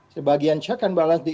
sebagian check and balance di